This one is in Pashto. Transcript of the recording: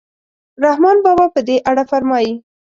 رحمان بابا په دې اړه فرمایي.